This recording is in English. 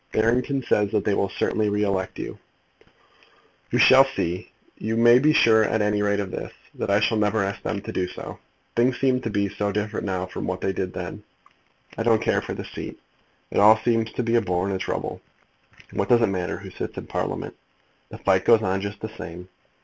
"Barrington says that they will certainly re elect you." "We shall see. You may be sure at any rate of this, that I shall never ask them to do so. Things seem to be so different now from what they did. I don't care for the seat. It all seems to be a bore and a trouble. What does it matter who sits in Parliament? The fight goes on just the same.